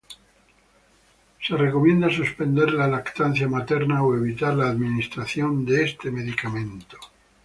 Se recomienda suspender la lactancia materna o evitar la administración de este medicamento.